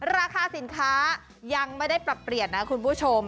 ราคาสินค้ายังไม่ได้ปรับเปลี่ยนนะคุณผู้ชม